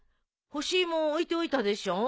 干し芋置いておいたでしょ？